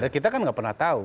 kita kan nggak pernah tahu